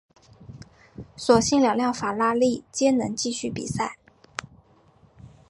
所幸两辆法拉利皆能继续比赛。